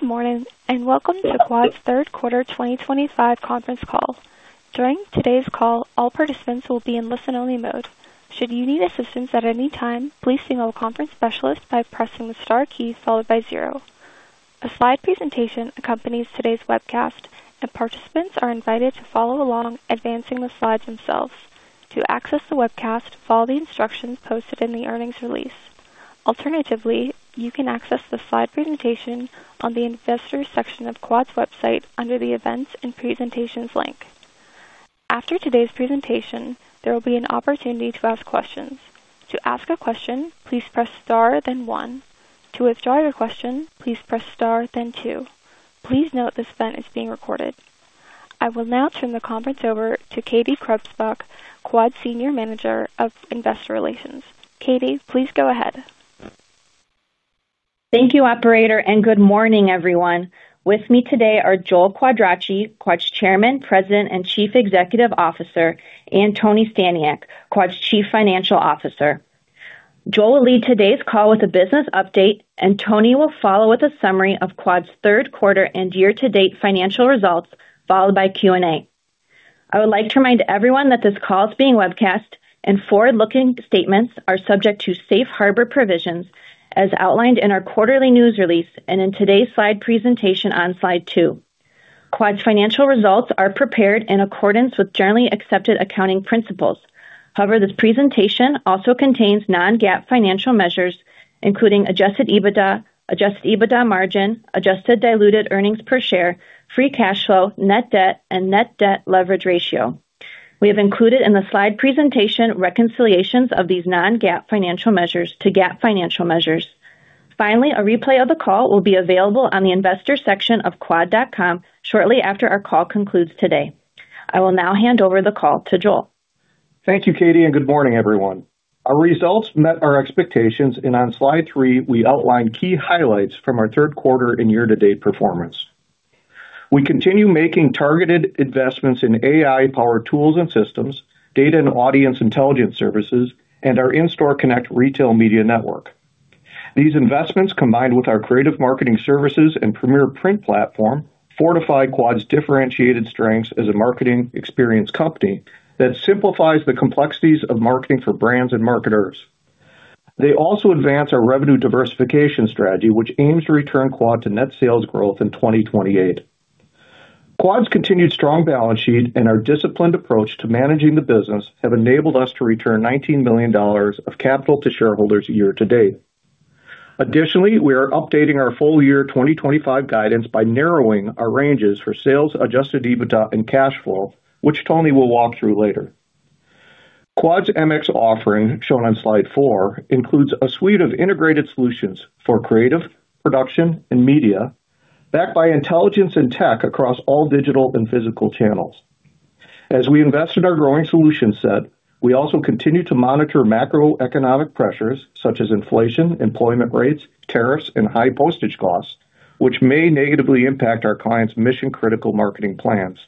Good morning and welcome to Quad's third quarter 2025 conference call. During today's call, all participants will be in listen only mode. Should you need assistance at any time, please signal a conference specialist by pressing the star key followed by zero. A slide presentation accompanies today's webcast, and participants are invited to follow along, advancing the slides themselves. To access the webcast, follow the instructions posted in the earnings release. Alternatively, you can access the slide presentation on the Investors section of Quad's website under the Events and Presentations link. After today's presentation, there will be an opportunity to ask questions. To ask a question, please press star then one. To withdraw your question, please press star then two. Please note this event is being recorded. I will now turn the conference over to Katie Krebsbach, Quad Senior Manager of Investor Relations. Katie, please go ahead. Thank you, operator, and good morning, everyone. With me today are Joel Quadracci, Quad's Chairman, President, and Chief Executive Officer, and Tony Staniak, Quad's Chief Financial Officer. Joel will lead today's call with a business update, and Tony will follow with a summary of Quad's third quarter and year-to-date financial results, followed by Q&A. I would like to remind everyone that this call is being webcast, and forward-looking statements are subject to safe harbor provisions as outlined in our quarterly news release and in today's slide presentation on slide 2. Quad's financial results are prepared in accordance with generally-accepted accounting principles. However, this presentation also contains non-GAAP financial measures, including adjusted EBITDA, adjusted EBITDA margin, adjusted diluted earnings per share, adjusted free cash flow, net debt, and net debt leverage ratio. We have included in the slide presentation reconciliations of these non-GAAP financial measures to GAAP financial measures. Finally, a replay of the call will be available on the Investors section of quad.com shortly after our call concludes today. I will now hand over the call to Joel. Thank you, Katie, and good morning, everyone. Our results met our expectations, and on slide three, we outlined key highlights from our third quarter and year-to-date performance. We continue making targeted investments in AI-powered tools and systems, data and audience intelligence services, and our In-Store Connect retail media network. These investments, combined with our creative marketing services and premier print platform, fortify Quad's differentiated strengths as a marketing experience company that simplifies the complexities of marketing for brands and marketers. They also advance our revenue diversification strategy, which aims to return Quad to net sales growth in 2028. Quad's continued strong balance sheet and our disciplined approach to managing the business have enabled us to return $19 million of capital to shareholders year-to-date. Additionally, we are updating our full-year 2025 guidance by narrowing our ranges for sales, adjusted EBITDA, and cash flow, which Tony will walk through later. Quad's MX offering, shown on slide four, includes a suite of integrated solutions for creative production and media backed by intelligence and tech across all digital and physical channels. As we invest in our growing solution set, we also continue to monitor macroeconomic pressures such as inflation, employment rates, tariffs, and high postage costs, which may negatively impact our clients' mission-critical marketing plans.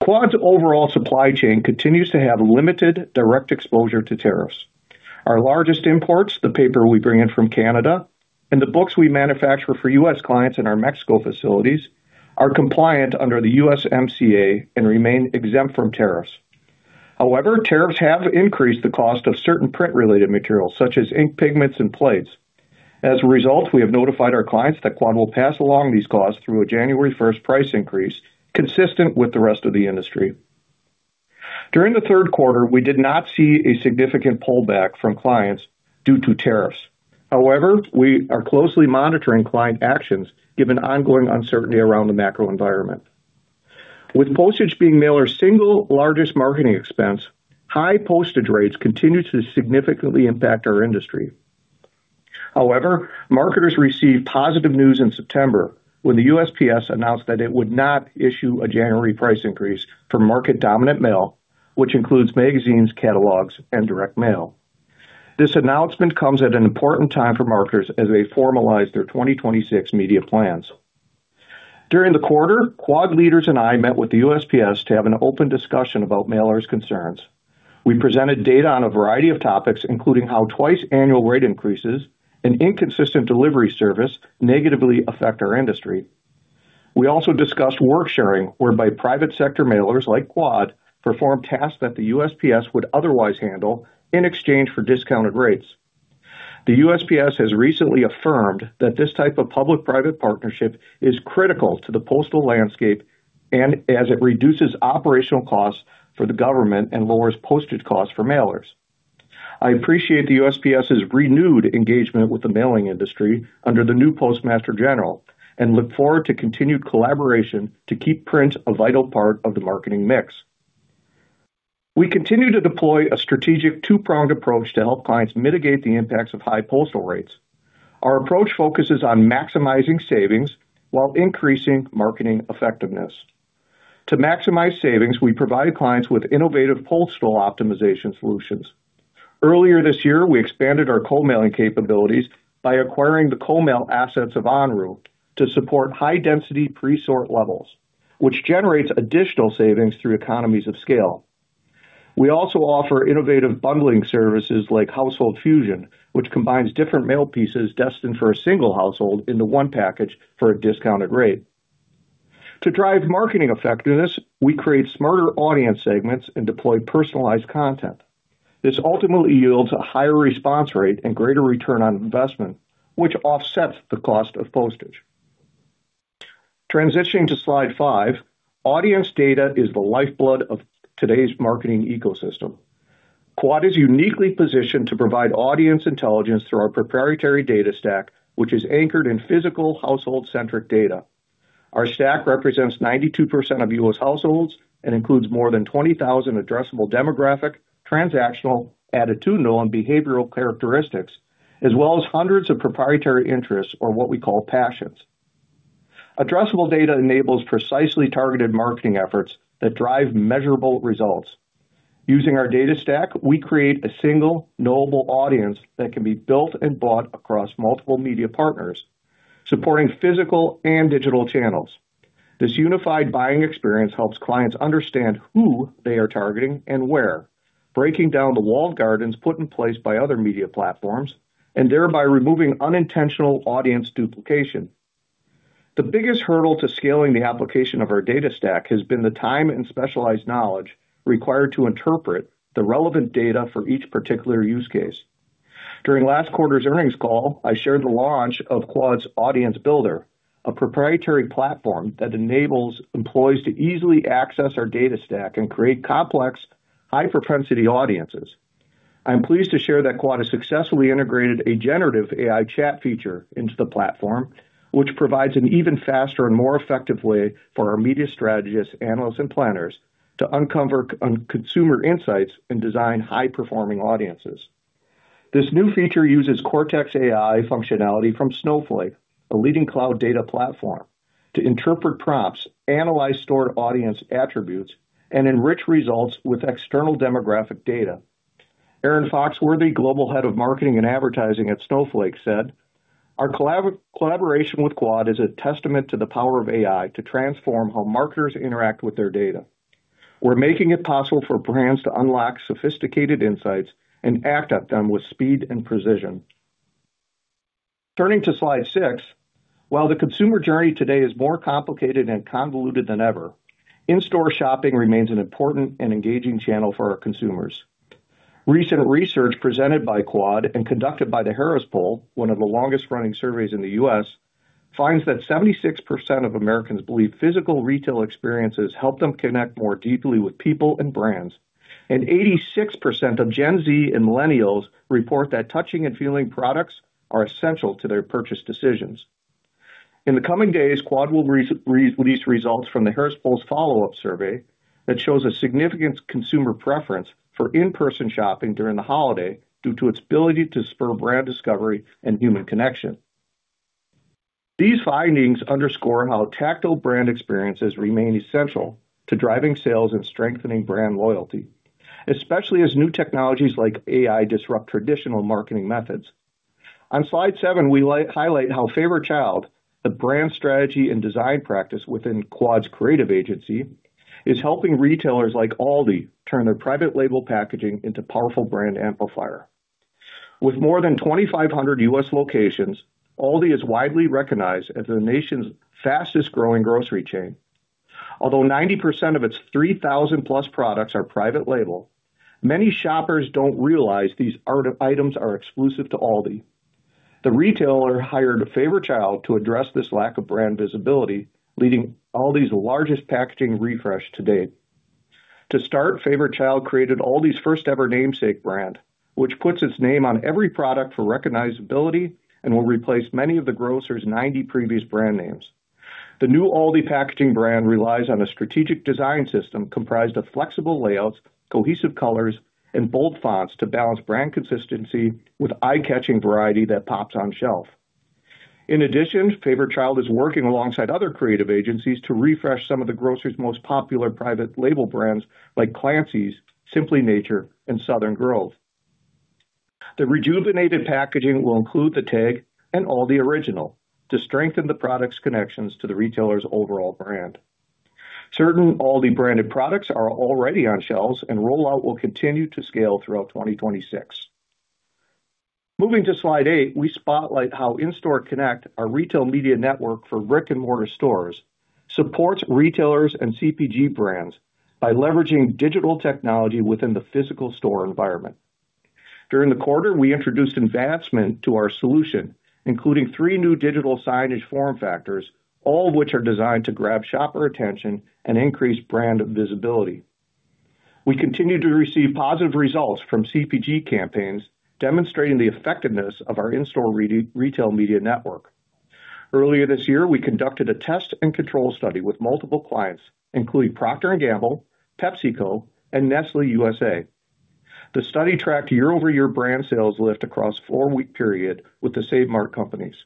Quad's overall supply chain continues to have limited direct exposure to tariffs. Our largest imports, the paper we bring in from Canada and the books we manufacture for U.S. clients in our Mexico facilities, are compliant under the USMCA and remain exempt from tariffs. However, tariffs have increased the cost of certain print-related materials such as ink, pigments, and plates. As a result, we have notified our clients that Quad will pass along these costs through a January 1st price increase consistent with the rest of the industry. During the third quarter, we did not see a significant pullback from clients due to tariffs. However, we are closely monitoring client actions given ongoing uncertainty around the macro environment. With postage being mailers' single largest marketing expense, high postage rates continue to significantly impact our industry. However, marketers received positive news in September when the USPS announced that it would not issue a January price increase for market-dominant mail, which includes magazines, catalogs, and direct mail. This announcement comes at an important time for marketers as they formalize their 2026 media plans. During the quarter, Quad leaders and I met with the USPS to have an open discussion about mailers' concerns. We presented data on a variety of topics, including how twice annual rate increases and inconsistent delivery service negatively affect our industry. We also discussed work sharing, whereby private sector mailers like Quad perform tasks that the USPS would otherwise handle in exchange for discounted rates. The USPS has recently affirmed that this type of public-private partnership is critical to the postal landscape and as it reduces operational costs for the government and lowers postage costs for mailers. I appreciate the USPS's renewed engagement with the mailing industry under the new Postmaster General and look forward to continued collaboration to keep print a vital part of the marketing mix. We continue to deploy a strategic two-pronged approach to help clients mitigate the impacts of high postal rates. Our approach focuses on maximizing savings while increasing marketing effectiveness. To maximize savings, we provided clients with innovative postal optimization solutions. Earlier this year, we expanded our co-mailing capabilities by acquiring the co-mail assets of Onru to support high-density presort levels, which generates additional savings through economies of scale. We also offer innovative bundling services like Household Fusion, which combines different mail pieces destined for a single household into one package for a discounted rate. To drive marketing effectiveness, we create smarter audience segments and deploy personalized content. This ultimately yields a higher response rate and greater return on investment, which offsets the cost of postage. Transitioning to slide five, audience data is the lifeblood of today's marketing ecosystem. Quad is uniquely positioned to provide audience intelligence through our proprietary data stack, which is anchored in physical household-centric data. Our stack represents 92% of U.S. households and includes more than 20,000 addressable demographic, transactional, attitudinal, and behavioral characteristics, as well as hundreds of proprietary interests, or what we call passions. Addressable data enables precisely targeted marketing efforts that drive measurable results. Using our data stack, we create a single knowable audience that can be built and bought across multiple media partners, supporting physical and digital channels. This unified buying experience helps clients understand who they are targeting and where, breaking down the walled gardens put in place by other media platforms and thereby removing unintentional audience duplication. The biggest hurdle to scaling the application of our data stack has been the time and specialized knowledge required to interpret the relevant data for each particular use case. During last quarter's earnings call, I shared the launch of Quad's Audience Builder, a proprietary platform that enables employees to easily access our data stack and create complex, high propensity audiences. I'm pleased to share that Quad has successfully integrated a generative AI chat feature into the platform, which provides an even faster and more effective way for our media strategists, analysts, and planners to uncover consumer insights and design high performing audiences. This new feature uses Cortex AI functionality from Snowflake, a leading cloud data platform, to interpret prompts, analyze stored audience attributes, and enrich results with external demographic data. Aaron Foxworthy, Global Head of Marketing and Advertising at Snowflake, said, our collaboration with Quad is a testament to the power of AI to transform how marketers interact with their data. We're making it possible for brands to unlock sophisticated insights and act at them with speed and precision. Turning to slide six, while the consumer journey today is more complicated and convoluted than ever, in-store shopping remains an important and engaging channel for our consumers. Recent research presented by Quad and conducted by The Harris Poll, one of the longest running surveys in the U.S., finds that 76% of Americans believe physical retail experiences help them connect more deeply with people and brands, and 86% of Gen Z and Millennials report that touching and feeling products are essential to their purchase decisions. In the coming days, Quad will release results from The Harris Poll's follow-up survey that shows a significant consumer preference for in-person shopping during the holiday due to its ability to spur brand discovery and human connection. These findings underscore how tactile brand experiences remain essential to driving sales and strengthening brand loyalty, especially as new technologies like AI disrupt traditional marketing methods. On slide seven, we highlight how Favorchild, the brand strategy and design practice within Quad's creative agency, is helping retailers like Aldi turn their private label packaging into a powerful brand amplifier. With more than 2,500 U.S. locations, Aldi is widely recognized as the nation's fastest growing grocery chain. Although 90% of its 3,000+ products are private label, many shoppers don't realize these items are exclusive to Aldi. The retailer hired Favorchild to address this lack of brand visibility, leading Aldi's largest packaging refresh to date. To start, Favorchild created Aldi's first ever namesake brand, which puts its name on every product for recognizability and will replace many of the grocer's 90 previous brand names. The new Aldi packaging brand relies on a strategic design system comprised of flexible layouts, cohesive colors, and bold fonts to balance brand consistency with eye-catching variety that pops on shelf. In addition, Favorchild is working alongside other creative agencies to refresh some of the grocer's most popular private label brands like Clancy's, Simply Nature, and Southern Grove. The rejuvenated packaging will include the tag and all the original to strengthen the product's connections to the retailer's overall brand. Certain Aldi branded products are already on shelves and rollout will continue to scale throughout 2026. Moving to slide eight, we spotlight how In-Store Connect, our retail media network for brick-and-mortar stores, supports retailers and CPG brands by leveraging digital technology within the physical store environment. During the quarter, we introduced advancements to our solution including three new digital signage form factors, all of which are designed to grab shopper attention and increase brand visibility. We continue to receive positive results from CPG campaigns demonstrating the effectiveness of our in-store retail media network. Earlier this year, we conducted a test and control study with multiple clients including Procter & Gamble, PepsiCo, and Nestlé USA. The study tracked year-over-year brand sales lift across a four-week period with the SaveMart companies.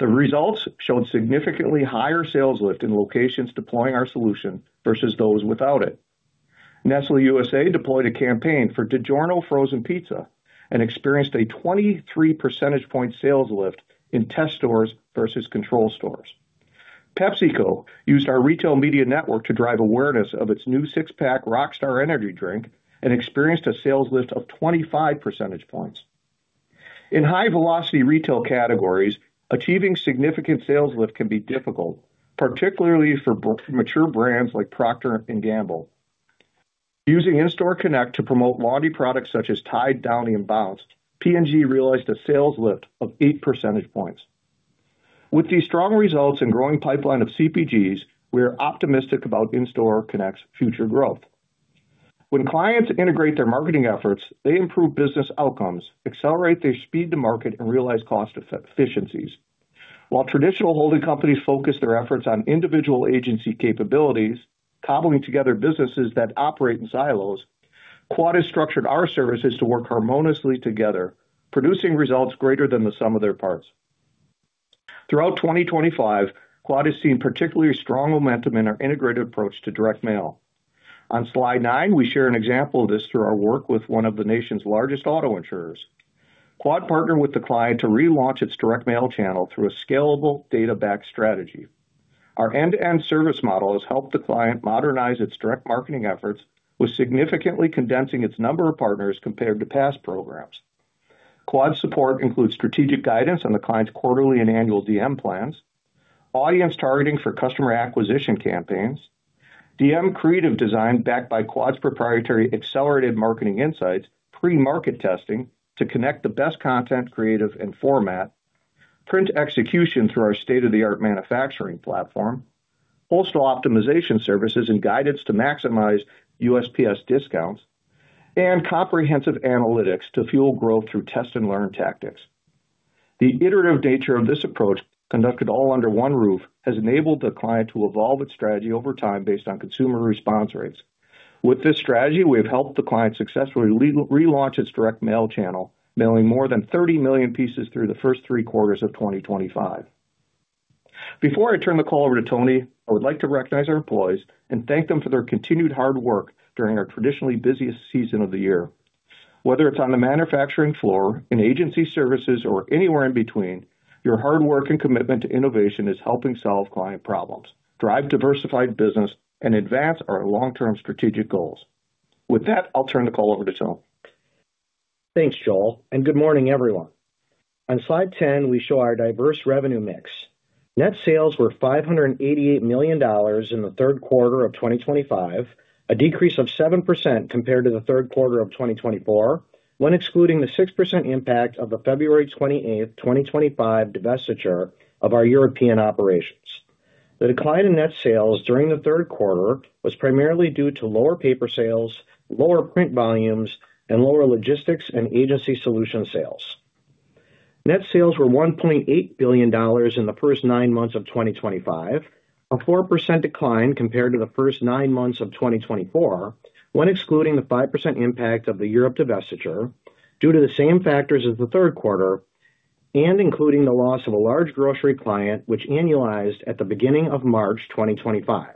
The results showed significantly higher sales lift in locations deploying our solution versus those without it. Nestlé USA deployed a campaign for DiGiorno frozen pizza and experienced a 23% sales lift in test stores versus control stores. PepsiCo used our retail media network to drive awareness of its new six-pack Rockstar energy drink and experienced a sales lift of 25% in high-velocity retail categories. Achieving significant sales lift can be difficult, particularly for mature brands like Procter & Gamble. Using In-Store Connect to promote laundry products such as Tide, Downy, and Bounce, P&G realized a sales lift of 8%. With these strong results and a growing pipeline of CPGs, we are optimistic about In-Store Connect's future growth. When clients integrate their marketing efforts, they improve business outcomes, accelerate their speed to market, and realize cost efficiencies. While traditional holding companies focus their efforts on individual agency capabilities, cobbling together businesses that operate in silos, Quad has structured our services to work harmoniously together, producing results greater than the sum of their parts. Throughout 2025, Quad has seen particularly strong momentum in our integrated approach to direct mail. On slide nine, we share an example of this through our work with one of the nation's largest auto insurers. Quad partnered with the client to relaunch its direct mail channel through a scalable, data-backed strategy. Our end-to-end service model has helped the client modernize its direct marketing efforts while significantly condensing its number of partners compared to past programs. Quad's support includes strategic guidance on the client's quarterly and annual direct mail plans, audience targeting for customer acquisition campaigns, direct mail creative design backed by Quad's proprietary accelerated marketing insights, pre-market testing to connect the best content, creative, and format, print execution through our state-of-the-art manufacturing platform, postal optimization solutions and guidance to maximize USPS discounts, and comprehensive analytics to fuel growth through test and learn tactics. The iterative nature of this approach, conducted all under one roof, has enabled the client to evolve its strategy over time based on consumer response rates. With this strategy, we have helped the client successfully relaunch its direct mail channel, mailing more than 30 million pieces through the first three quarters of 2025. Before I turn the call over to Tony, I would like to recognize our employees and thank them for their continued hard work during our traditionally busiest season of the year. Whether it's on the manufacturing floor, in agency services, or anywhere in between, your hard work and commitment to innovation is helping solve client problems, drive diversified business, and advance our long-term strategic goals. With that, I'll turn the call over to Tony. Thanks Joel and good morning everyone. On slide 10, we show our diverse revenue mix. Net sales were $588 million in the third quarter of 2025, a decrease of 7% compared to the third quarter of 2024 when excluding the 6% impact of the February 28th, 2025 divestiture of our European operations. The decline in net sales during the third quarter was primarily due to lower paper sales, lower print volumes, and lower logistics and agency solutions sales. Net sales were $1.8 billion in the first nine months of 2025, a 4% decline compared to the first nine months of 2024 when excluding the 5% impact of the Europe divestiture due to the same factors as the third quarter and including the loss of a large grocery client which annualized at the beginning of March 2025.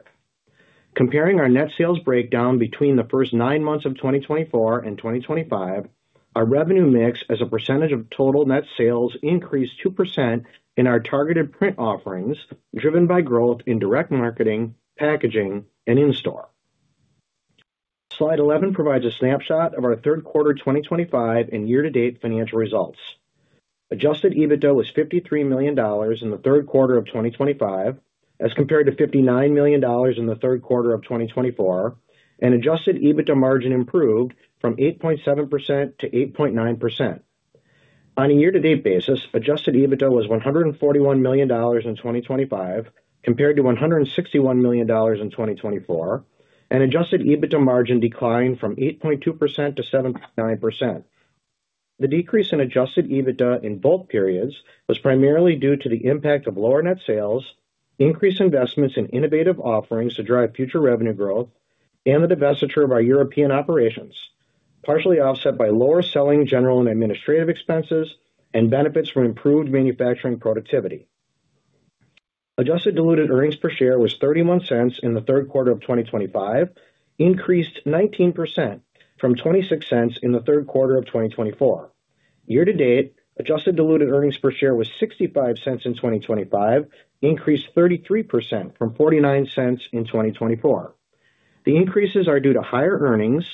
Comparing our net sales breakdown between the first nine months of 2024 and 2025, our revenue mix as a percentage of total net sales increased 2% in our targeted print offerings driven by growth in direct marketing, packaging, and in store. Slide 11 provides a snapshot of our third quarter 2025 and year-to-date. Financial results: Adjusted EBITDA was $53 million in the third quarter of 2025 as compared to $59 million in the third quarter of 2024, and adjusted EBITDA margin improved from 8.7%-8.9% on a year-to-date basis. Adjusted EBITDA was $141 million in 2025 compared to $161 million in 2024, and adjusted EBITDA margin declined from 8.2%-7.9%. The decrease in adjusted EBITDA in both periods was primarily due to the impact of lower net sales, increased investments in innovative offerings to drive future revenue growth, and the divestiture of our European operations, partially offset by lower selling, general and administrative expenses and benefits from improved manufacturing productivity. Adjusted diluted earnings per share was $0.31 in the third quarter of 2025, increased 19% from $0.26 in the third quarter of 2024. Year-to-date, adjusted diluted earnings per share was $0.65 in 2025, increased 33% from $0.49 in 2024. The increases are due to higher earnings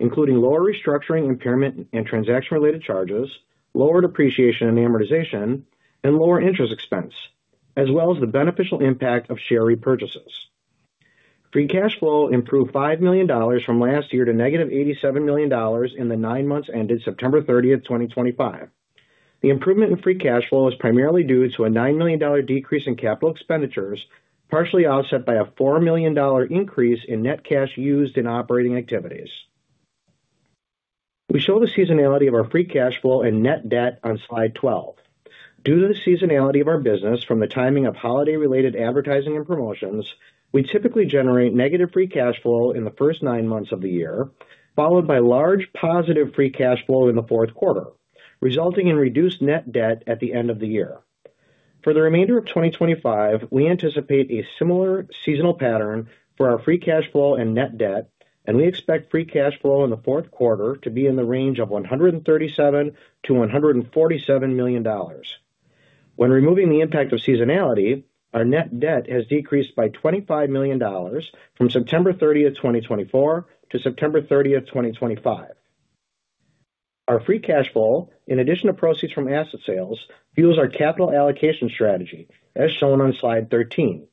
including lower restructuring, impairment and transaction related charges, lower depreciation and amortization, and lower interest expense as well as the beneficial impact of share repurchases. Free cash flow improved $5 million from last year to -$87 million in the nine months ended September 30th, 2025. The improvement in free cash flow is primarily due to a $9 million decrease in capital expenditures, partially offset by a $4 million increase in net cash used in operating activities. We show the seasonality of our free cash flow and net debt on slide 12. Due to the seasonality of our business from the timing of holiday-related advertising and promotions, we typically generate negative free cash flow in the first nine months of the year followed by large positive free cash flow in the fourth quarter, resulting in reduced net debt at the end of the year. For the remainder of 2025, we anticipate a similar seasonal pattern for our free cash flow and net debt, and we expect free cash flow in the fourth quarter to be in the range of $137 million-$147 million. When removing the impact of seasonality, our net debt has decreased by $25 million from September 30th, 2024-September 30th, 2025. Our free cash flow, in addition to proceeds from asset sales, fuels our capital allocation strategy as shown on slide 13.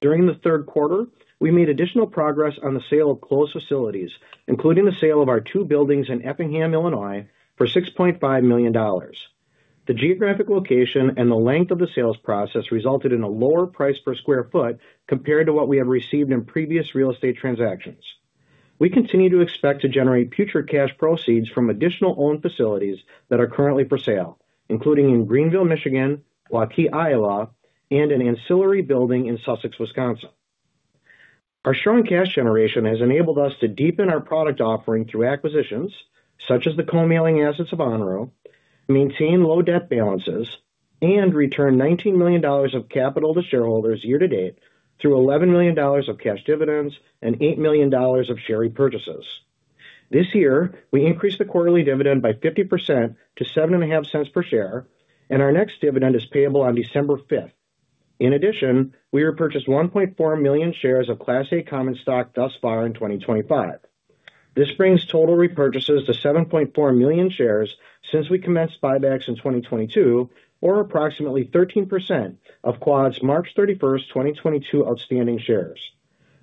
During the third quarter, we made additional progress on the sale of closed facilities, including the sale of our two buildings in Effingham, Illinois for $6.5 million. The geographic location and the length of the sales process resulted in a lower price per square foot compared to what we have received in previous real estate transactions. We continue to expect to generate future cash proceeds from additional owned facilities that are currently for sale, including in Greenville, Michigan, Waukee, Iowa, and an ancillary building in Sussex, Wisconsin. Our strong cash generation has enabled us to deepen our product offering through acquisitions such as the co-mail assets of Onru, maintain low debt balances, and return $19 million of capital to shareholders year-to-date through $11 million of cash dividends and $8 million of share repurchases. This year we increased the quarterly dividend by 50% to $0.075 per share and our next dividend is payable on December 5th. In addition, we repurchased 1.4 million shares of Class A common stock thus far in 2025. This brings total repurchases to 7.4 million shares since we commenced buybacks in 2022, or approximately 13% of Quad's March 31, 2022 outstanding shares.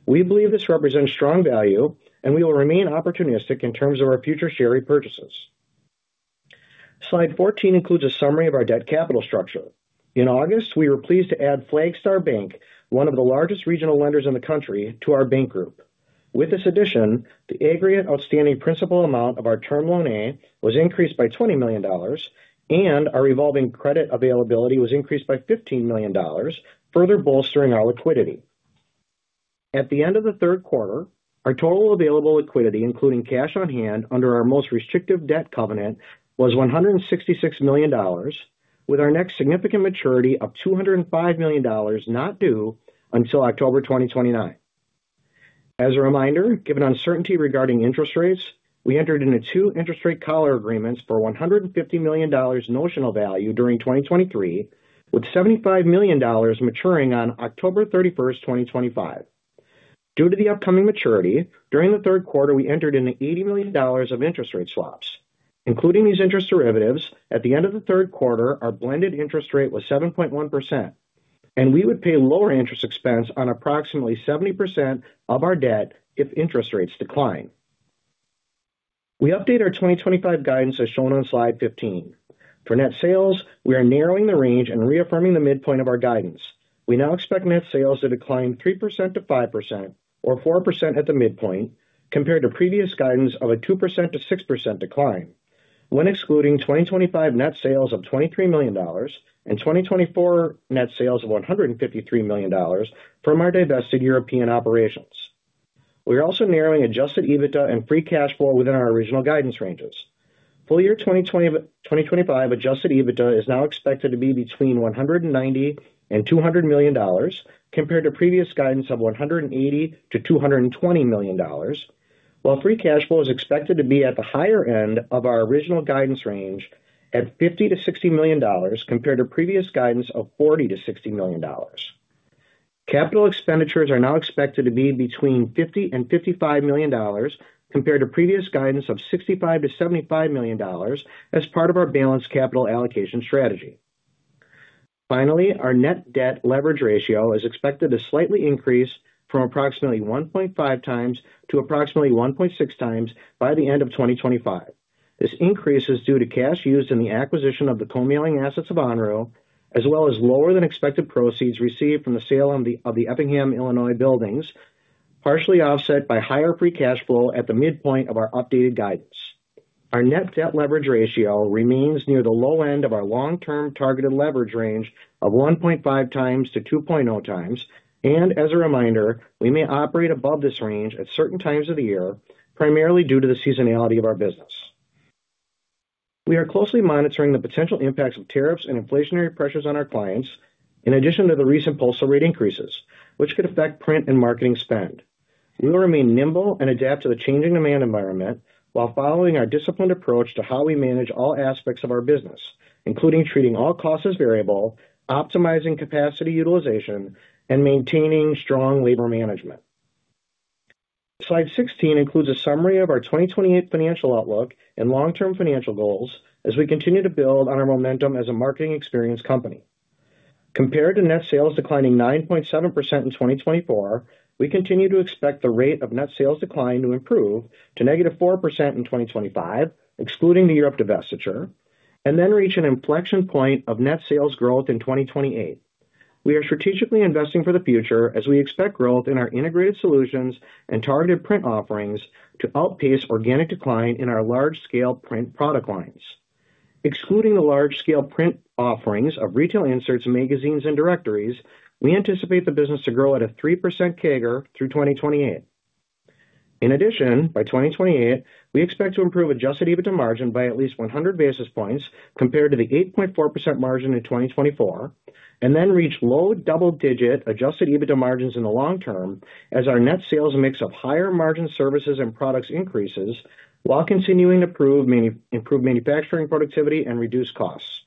We believe this represents strong value and we will remain opportunistic in terms of our future share repurchases. Slide 14 includes a summary of our debt capital structure. In August, we were pleased to add Flagstar Bank, one of the largest regional lenders in the country to our bank group. With this addition, the aggregate outstanding principal amount of our term loan A was increased by $20 million and our revolving credit availability was increased by $15 million, further bolstering our liquidity. At the end of the third quarter, our total available liquidity, including cash on hand under our most restrictive debt covenant, was $166 million, with our next significant maturity of $205 million not due until October 2029. As a reminder, given uncertainty regarding interest rates, we entered into two interest rate collar agreements for $150 million notional value during 2023. With $75 million maturing on October 31st, 2025, due to the upcoming maturity during the third quarter, we entered into $80 million of interest rate swaps including these interest derivatives. At the end of the third quarter, our blended interest rate was 7.1% and we would pay lower interest expense on approximately 70% of our debt if interest rates decline. We update our 2025 guidance as shown on Slide 15. For net sales, we are narrowing the range and reaffirming the midpoint of our guidance. We now expect net sales to decline 3%-5%, or 4% at the midpoint, compared to previous guidance of a 2%-6% decline when excluding 2025 net sales of $23 million and 2024 net sales of $153 million from our divested European operations. We are also narrowing adjusted EBITDA and free cash flow within our original guidance ranges. Full year 2025 adjusted EBITDA is now expected to be between $190 million and $200 million compared to previous guidance of $180 million-$220 million, while free cash flow is expected to be at the higher end of our original guidance range at $50 million-$60 million compared to previous guidance of $40 million-$60 million. Capital expenditures are now expected to be between $50 million and $55 million compared to previous guidance of $65 million-$75 million as part of our balanced capital allocation strategy. Finally, our net debt leverage ratio is expected to slightly increase from approximately 1.5x to approximately 1.6x by the end of 2025. This increase is due to cash used in the acquisition of the co-mail assets of Onru as well as lower than expected proceeds received from the sale of the Effingham, Illinois buildings, partially offset by higher free cash flow at the midpoint of our updated guidance. Our net debt leverage ratio remains near the low end of our long-term targeted leverage range of 1.5x-2.0x, and as a reminder, we may operate above this range at certain times of the year primarily due to the seasonality of our business. We are closely monitoring the potential impacts of tariffs and inflationary pressures on our clients in addition to the recent postal rate increases, which could affect print and marketing spend. We will remain nimble and adapt to the changing demand environment while following our disciplined approach to how we manage all aspects of our business, including treating all costs as variable, optimizing capacity utilization, and maintaining strong labor management. Slide 16 includes a summary of our 2028 financial outlook and long-term financial goals as we continue to build on our momentum as a marketing experience company. Compared to net sales declining 9.7% in 2024, we continue to expect the rate of net sales decline to improve to -4% in 2025, excluding the Europe divestiture, and then reach an inflection point of net sales growth in 2028. We are strategically investing for the future as we expect growth in our integrated solutions and targeted print offerings to outpace organic decline in our large-scale print product lines. Excluding the large-scale print offerings of retail inserts, magazines, and directories, we anticipate the business to grow at a 3% CAGR through 2028. In addition, by 2028 we expect to improve adjusted EBITDA margin by at least 100 basis points compared to the 8.4% margin in 2024 and then reach low double-digit adjusted EBITDA margins in the long-term as our net sales mix of higher margin services and products increases while continuing to improve manufacturing productivity and reduce costs.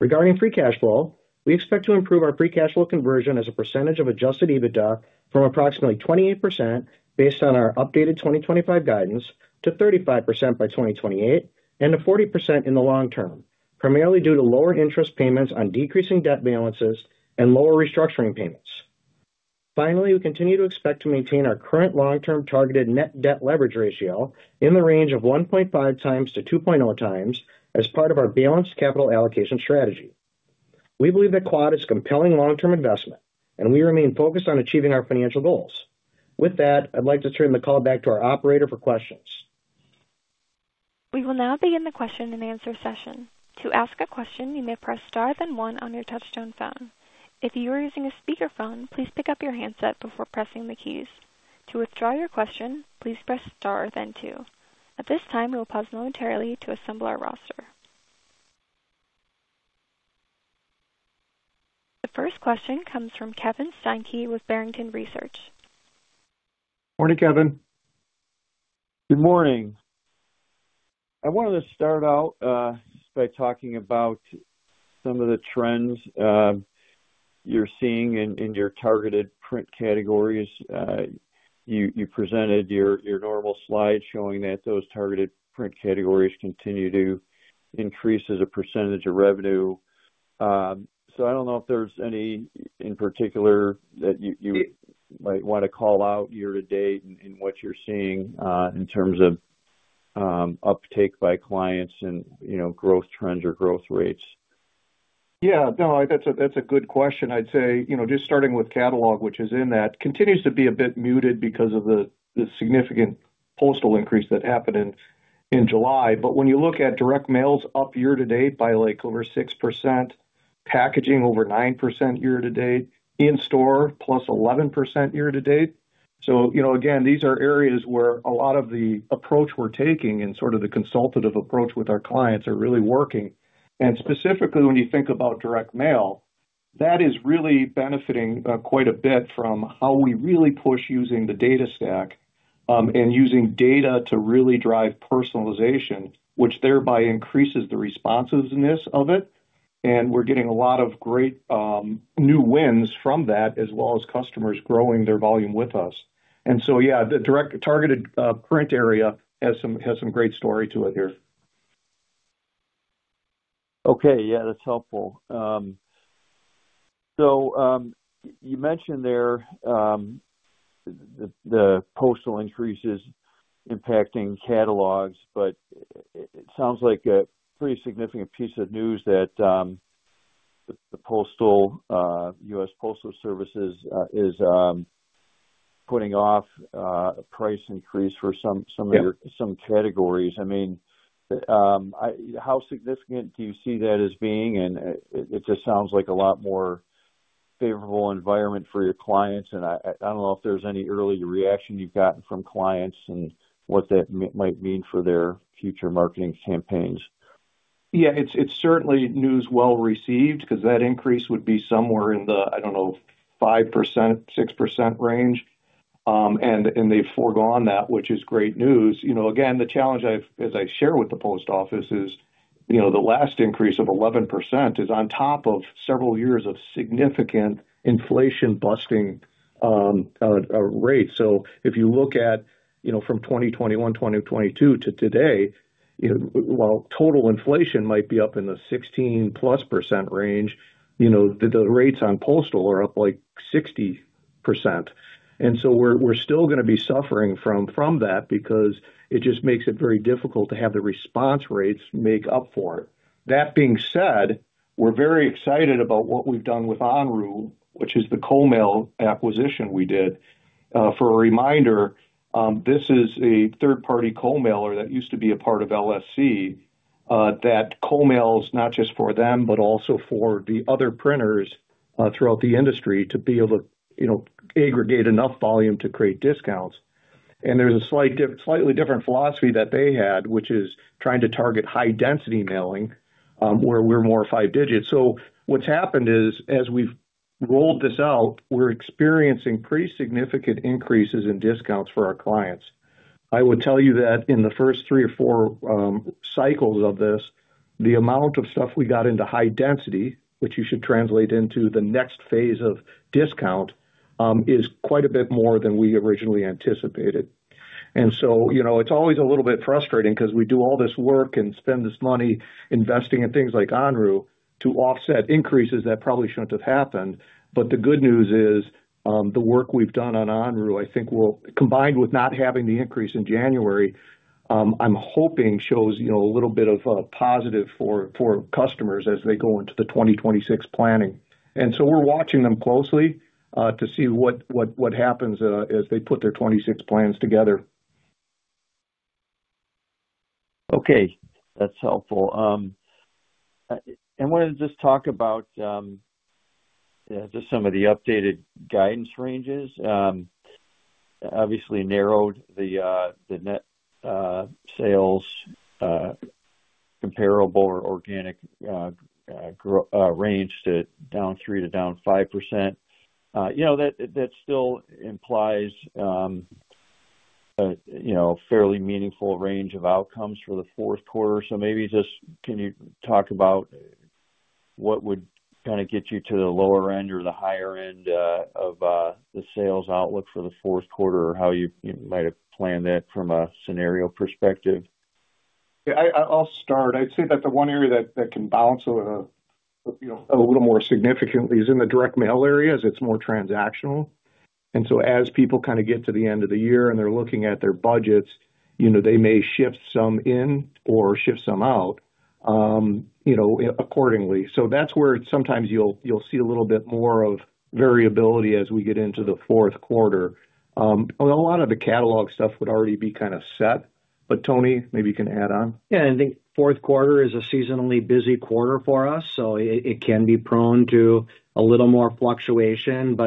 Regarding free cash flow, we expect to improve our free cash flow conversion as a percentage of adjusted EBITDA from approximately 28% based on our updated 2025 guidance to 35% by 2028 and to 40% in the long-term, primarily due to lower interest payments on decreasing debt balances and lower restructuring payments. Finally, we continue to expect to maintain our current long-term targeted net debt leverage ratio in the range of 1.5x-2.0x as part of our balanced capital allocation strategy. We believe that Quad is a compelling long-term investment, and we remain focused on achieving our financial goals. With that, I'd like to turn the call back to our operator for questions. We will now begin the question-and-answer session. To ask a question, you may press star then one on your Touch-Tone phone. If you are using a speakerphone, please pick up your handset before pressing the keys. To withdraw your question, please press star then two. At this time, we will pause momentarily to assemble our roster. The first question comes from Kevin Steinke with Barrington Research. Morning, Kevin. Good morning. I wanted to start out by talking about some of the trends you're seeing in your targeted print categories. You presented your normal slide showing that those targeted print categories continue to increase as a percentage of revenue. I don't know if there's any in particular that you might want to call out year-to-date in what you're seeing in terms of uptake by clients and growth trends or growth rates. Yeah, no, that's a good question. I'd say just starting with catalog, which continues to be a bit muted because of the significant postal increase that happened in July. When you look at direct mail, it's up year-to-date by over 6%, packaging over 9% year-to-date, in store plus 11% year-to-date. These are areas where a lot of the approach we're taking and the consultative approach with our clients are really working. Specifically, when you think about direct mail, that is really benefiting quite a bit from how we really push using the data stack and using data to really drive personalization, which thereby increases the responsiveness of it. We're getting a lot of great new wins from that as well as customers growing their volume with us. The direct targeted print area has some great story to it here. Okay, yeah, that's helpful. You mentioned there the postal increases impacting catalogs, but it sounds like a pretty significant piece of news that the USPS is putting off a price increase for some categories. How significant do you see that as being? It just sounds like a lot more favorable environment for your clients. I don't know if there's any early reaction you've gotten from clients and what that might mean for their future marketing campaigns. Yeah, it's certainly news well received because that increase would be somewhere in the, I don't know, 5%, 6% range. They've foregone that, which is great news. Again, the challenge as I share with the post office is, the last increase of 11% is on top of several years of significant inflation-busting rate. If you look at, from 2021, 2022 to today, while total inflation might be up in the 16%+ range, the rates on postal are up like 60%. We're still going to be suffering from that because it just makes it very difficult to have the response rates make up for it. That being said, we're very excited about what we've done with Onru, which is the co-mail acquisition we did. For a reminder, this is a third-party co-mailer that used to be a part of LSC that co-mails not just for them, but also for the other printers throughout the industry to be able to aggregate enough volume to create discounts. There's a slightly different philosophy that they had, which is trying to target high-density mailing where we're more five digits. What's happened is as we've rolled this out, we're experiencing pretty significant increases in discounts for our clients. I would tell you that in the first three or four cycles of this, the amount of stuff we got into high density, which you should translate into the next phase of discount, is quite a bit more than we originally anticipated. It's always a little bit frustrating because we do all this work and spend this money investing in things like Onru to offset increases that probably shouldn't have happened. The good news is the work we've done on Onru, I think will, combined with not having the increase in January, I'm hoping shows a little bit of positive for customers as they go into the 2026 planning. We're watching them closely to see what happens as they put their 2026 plans together. Okay, that's helpful. I wanted to talk about just some of the updated guidance ranges. Obviously narrowed the net sales comparable or organic range to down 3% to down 5%. That still implies You know, Fairly meaningful range of outcomes for the fourth quarter. Can you talk about what would kind of get you to the lower end or the higher end of the sales outlook for the fourth quarter, or how you might have planned that from a scenario perspective? Yeah, I'll start. I'd say that the one area that can bounce a little more significantly is in the direct mail area as it's more transactional. As people kind of get to the end of the year and they're looking at their budgets, you know, they may shift some in or shift some out, you know, accordingly. That's where sometimes you'll see a little bit more of variability. As we get into the fourth quarter, a lot of the catalog stuff would already be kind of set. Tony, maybe you can add on. Yeah, I think fourth quarter is a seasonally busy quarter for us, so it can be prone to a lot more fluctuation.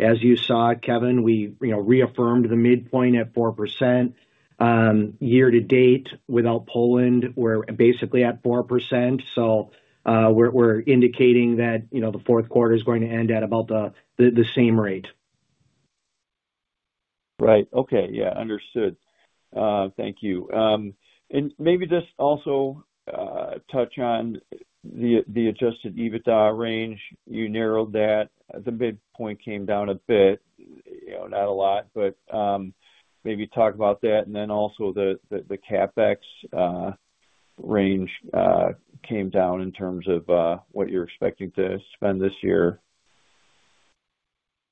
As you saw, Kevin, we reaffirmed the midpoint at 4% year-to-date. Without Poland, we're basically at 4%. We're indicating that the fourth quarter is going to end at about the same rate. Right. Okay, yeah, understood. Thank you. Maybe just also touch on the adjusted EBITDA range. You narrowed that. The midpoint came down a bit, not a lot, but maybe talk about that. Also, the CapEx range came down in terms of what you're expecting to spend this year.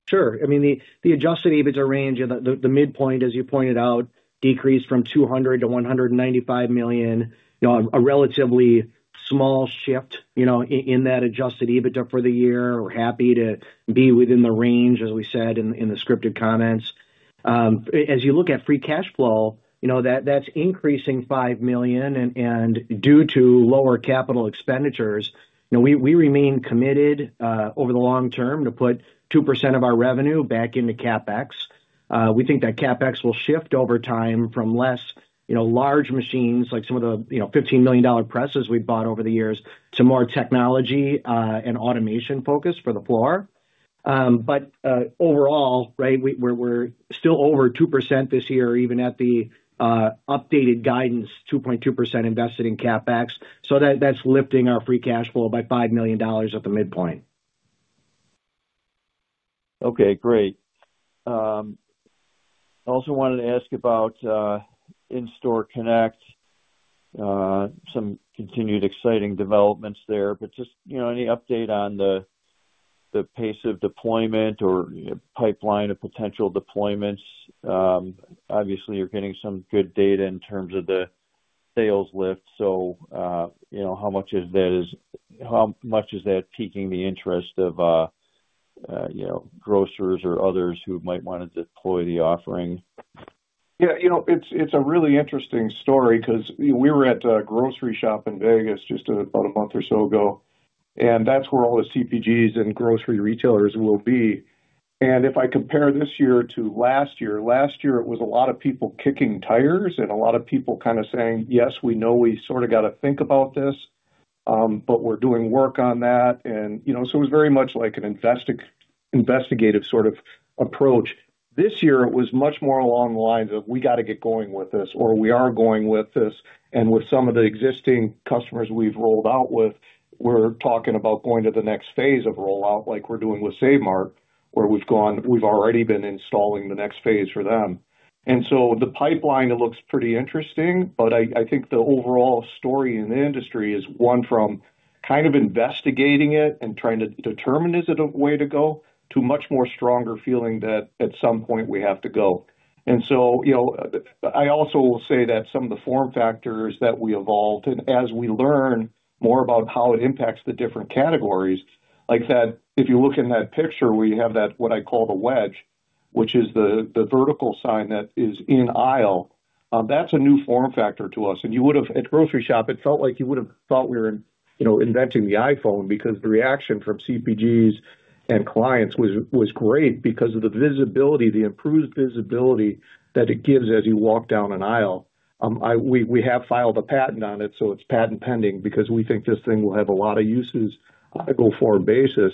Sure. I mean, the adjusted EBITDA range, the midpoint, as you pointed out, decreased from $200 million-$195 million. You know, a relatively small shift, you know, in that adjusted EBITDA for the year. We're happy to be within the range. As we said in the scripted comments, as you look at free cash flow, you know that that's increasing $5 million. Due to lower capital expenditures now, we remain committed over the long-term to put 2% of our revenue back into CapEx. We think that CapEx will shift over time from less, you know, large machines like some of the, you know, $15 million presses we bought over the years to more technology and automation focus for the floor. But overall, right. We're still over 2% this year, even at the updated guidance. 2.2% invested in CapEx. That's lifting our free cash flow by $5 million at the midpoint. Okay, great. I also wanted to ask about In-Store Connect, some continued exciting developments there, but just, you know, any update on the pace of deployment or pipeline of potential deployments? Obviously you're getting some good data in terms of the sales lift. How much is that piquing the interest of, you know, grocers or others who might want to deploy the offering? Yeah, you know, it's a really interesting story because we were at Grocery Shop in Vegas just about a month or so ago, and that's where all the CPGs and grocery retailers will be. If I compare this year to last year, last year it was a lot of people kicking tires and a lot of people kind of saying, yes, we know we sort of got to think about this, but we're doing work on that. It was very much like an investigative sort of approach. This year it was much more along the lines of we got to get going with this, or we are going with this. With some of the existing customers we've rolled out with, we're talking about going to the next phase of rollout like we're doing with SaveMart, where we've gone. We've already been installing the next phase for them. The pipeline looks pretty interesting, but I think the overall story in the industry is one from kind of investigating it and trying to determine is it a way to go to much more stronger feeling that at some point we have to go. I also will say that some of the form factors that we evolved and as we learn more about how it impacts the different categories like that, if you look in that picture where you have that, what I call the wedge, which is the vertical sign that is in aisle, that's a new form factor to us. You would have at Grocery Shop, it felt like you would have thought we were inventing the iPhone because the reaction from CPGs and clients was great because of the visibility, the improved visibility that it gives as you walk down an aisle. We have filed a patent on it, so it's patent pending because we think this thing will have a lot of uses on a go forward basis.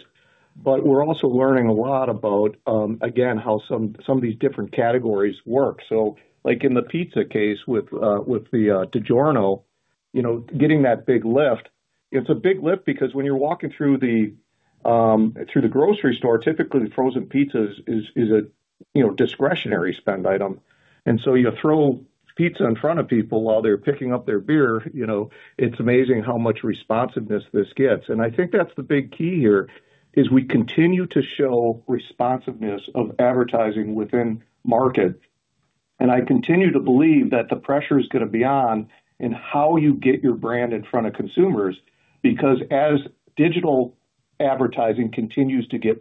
We're also learning a lot about again, how some of these different categories work. Like in the pizza case with the DiGiorno, getting that big lift. It's a big lift because when you're walking through the grocery store, typically the frozen pizzas is a discretionary spend item. You throw pizza in front of people while they're picking up their beer. It's amazing how much responsiveness this gets. I think that's the big key here is we continue to show responsiveness of advertising within markets. I continue to believe that the pressure is going to be on in how you get your brand in front of consumers. Because as digital advertising continues to get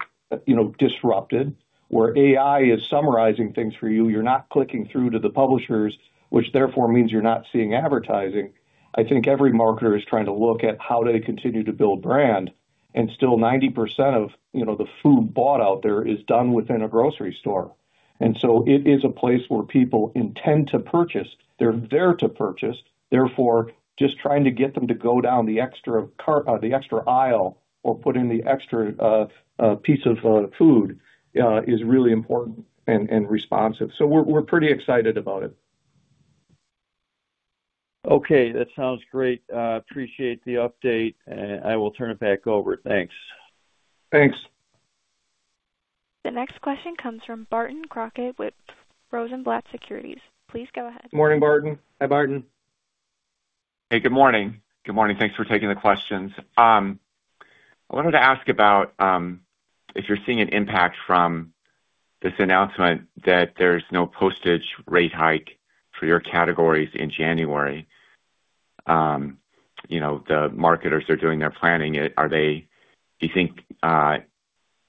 disrupted, where AI is summarizing things for you, you're not clicking through to the publishers, which therefore means you're not seeing advertising. I think every marketer is trying to look at how do they continue to build brand and still 90% of the food bought out there is done within a grocery store. It is a place where people intend to purchase, they're there to purchase. Therefore, just trying to get them to go down the extra cart, the extra aisle, or put in the extra piece of food is really important and responsive. We're pretty excited about it. Okay, that sounds great. Appreciate the update, and I will turn it back over. Thanks. Thanks. The next question comes from Barton Crockett with Rosenblatt Securities. Please go ahead. Morning, Barton. Hi, Barton. Good morning. Good morning. Thanks for taking the questions. I wanted to ask about if you're seeing an impact from this announcement that there's no postage rate hike for your categories in January. The marketers are doing their planning. Are they, do you think,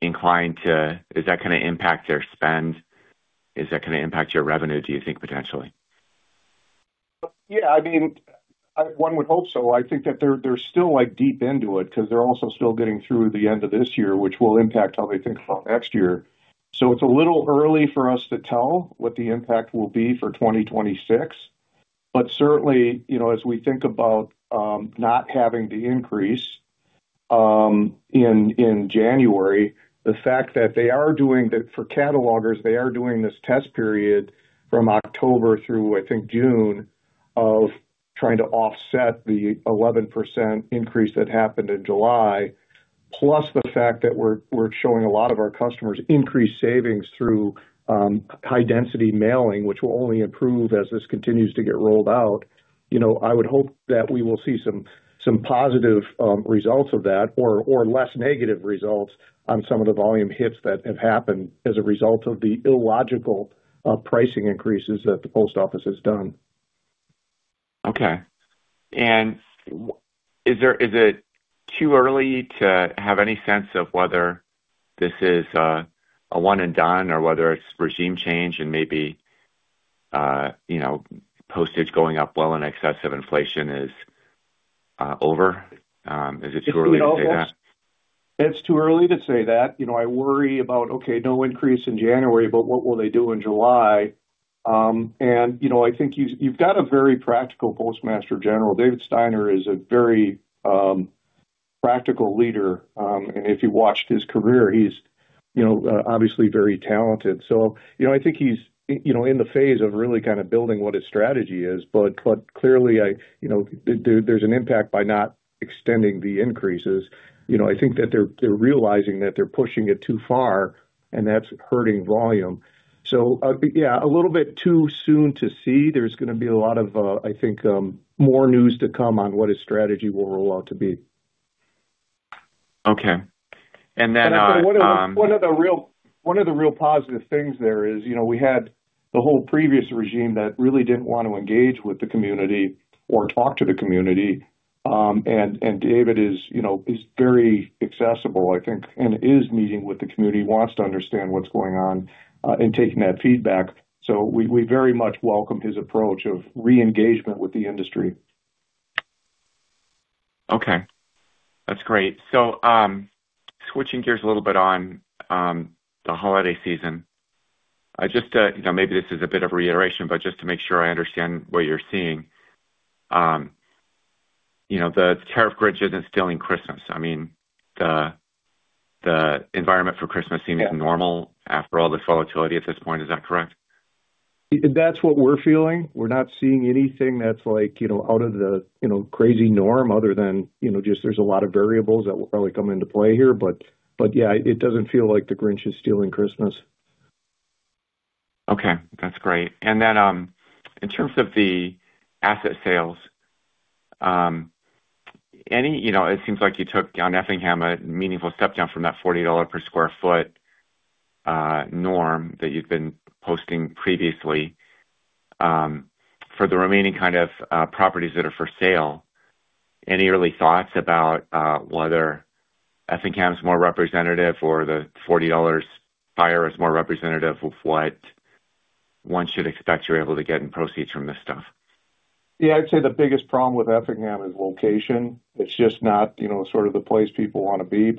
inclined to, is that going to impact their spend? Is that going to impact your revenue, do you think? Potentially, yeah. I mean, one would hope so. I think that they're still deep into it because they're also still getting through the end of this year, which will impact how they think about next year. It's a little early for us to tell what the impact will be for 2026. Certainly, as we think about not having the increase in January, the fact that they are doing that for catalogers, they are doing this test period from October through, I think, June of trying to offset the 11% increase that happened in July, plus the fact that we're showing a lot of our customers increased savings through high density mailing, which will only improve as this continues to get rolled out. I would hope that we will see some positive results of that or less negative results on some of the volume hits that have happened as a result of the illogical pricing increases that the post office has done. Is it too early to have any sense of whether this is a one and done or whether it's regime change and maybe, you know, postage going up well in excess of inflation is over? Is it too early to say that? It's too early to say that. I worry about, okay, no increase in January, but what will they do in July? I think you've got a very practical Postmaster General. Louis DeJoy is a very practical leader. If you watched his career, he's obviously very talented. I think he's in the phase of really kind of building what his strategy is. Clearly, there's an impact by not extending the increases. I think that they're realizing that they're pushing it too far and that's hurting volume. It's a little bit too soon to see. There's going to be a lot of, I think, more news to come on what his strategy will roll out to be. Okay. One of the real positive things there is, you know, we had the whole previous regime that really didn't want to engage with the community or talk to the community. David is very accessible, I think, and is meeting with the community, wants to understand what's going on, and taking that feedback. We very much welcomed his approach of re-engagement with the industry. Okay, that's great. Switching gears a little bit on the holiday season. Just, maybe this is a bit of reiteration, but just to make sure I understand what you're seeing, you know, the tariff bridge isn't stealing Christmas. I mean, the environment for Christmas seems normal after all this volatility at this point. Is that correct? That's what we're feeling. We're not seeing anything that's, you know, out of the, you know, crazy norm, other than just there's a lot of variables that will probably come into play here, but, yeah, it doesn't feel like the Grinch is stealing Christmas. Okay, that's great. In terms of the asset sales any, it seems like you took down Effingham a meaningful step down from that $40 per square foot norm that you've been posting previously. For the remaining kind of properties that are for sale, any early thoughts about whether Effingham is more representative or the $40 buyer is more representative of what one should expect? You're able to get in proceeds from this stuff? Yeah, I'd say the biggest problem with Effingham is location. It's just not, you know, sort of the place people want to be.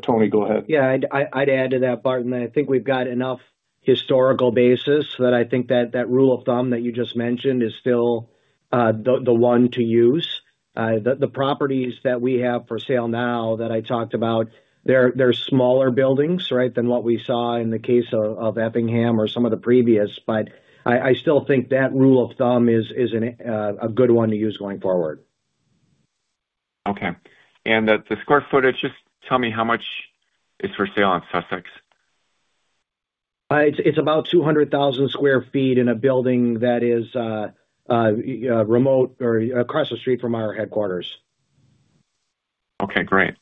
Tony, go ahead. Yeah, I'd add to that, Barton. I think we've got enough historical basis that I think that rule of thumb that you just mentioned is still the one to use. The properties that we have for sale now that I talked about are smaller buildings, right, than what we saw in the case of Effingham or some of the previous. I still think that rule of thumb is a good one to use going forward. Okay, and the square footage? Just tell me how much is for sale on Sussex. It's about 200,000 square feet in a building that is remote or across the street from our headquarters. Okay, great.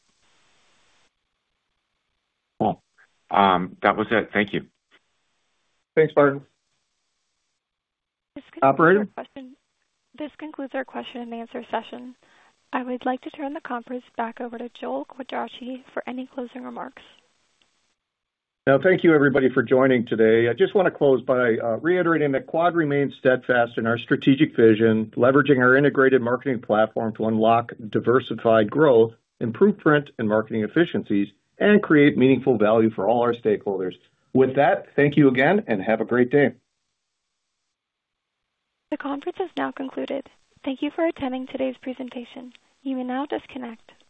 That was it. Thank you. Thanks, Barton. Operator. This concludes our question-and-answer session. I would like to turn the conference back over to Joel Quadracci for any closing remarks. Thank you, everybody, for joining today. I just want to close by reiterating that Quad remains steadfast in our strategic vision, leveraging our integrated marketing platform to unlock diversified growth, improve print and marketing efficiencies, and create meaningful value for all our stakeholders. With that, thank you again and have a great day. The conference has now concluded. Thank you for attending today's presentation. You may now disconnect.